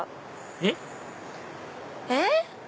えっ？えっ？